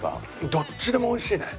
どっちでも美味しいね。